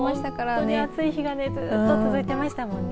本当に暑い日がずっと続いていましたもんね。